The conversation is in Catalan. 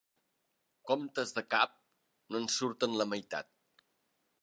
Comptes de cap, no en surten la meitat.